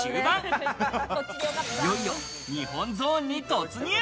いよいよ日本ゾーンに突入。